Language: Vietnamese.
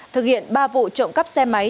thực hiện ba vụ trộm cắp xe máy